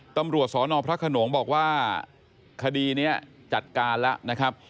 ตำรวจสนพระขนงบอกว่าคดีนี้จัดการแล้วนะครับ